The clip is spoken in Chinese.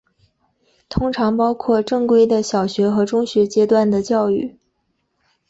通常包括正规的小学和中学阶段的教育。